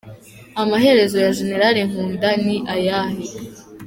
Amaherezo ya Gen. Nkunda ni ayahe?